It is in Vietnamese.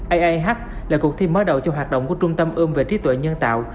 aih là cuộc thi mới đầu cho hoạt động của trung tâm ươm về trí tuệ nhân tạo